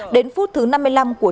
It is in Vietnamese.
đến phút thứ năm mươi năm của trận